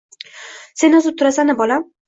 Sen yozib turasan-a bolam? ”